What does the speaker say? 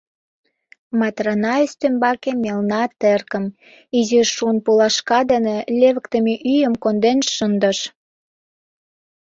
— Матрана ӱстембаке мелна теркым, изи шун пулашка дене левыктыме ӱйым конден шындыш.